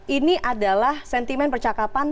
ini adalah sentimen percakapan